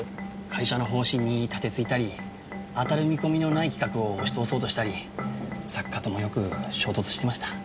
会社の方針に盾ついたり当たる見込みのない企画を押し通そうとしたり作家ともよく衝突してました。